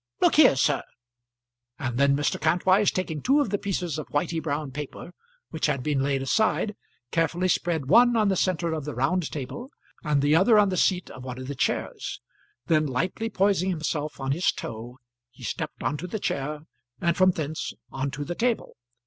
Look here, sir." And then Mr. Kantwise, taking two of the pieces of whitey brown paper which had been laid aside, carefully spread one on the centre of the round table, and the other on the seat of one of the chairs. Then lightly poising himself on his toe, he stepped on to the chair, and from thence on to the table.